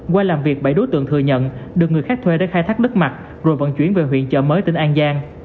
qua làm việc bảy đối tượng thừa nhận được người khác thuê để khai thác đất mặt rồi vận chuyển về huyện chợ mới tỉnh an giang